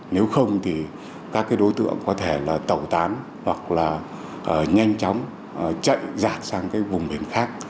nếu không thì các cái đối tượng có thể là tẩu tán hoặc là nhanh chóng chạy rạt sang cái vùng biển khác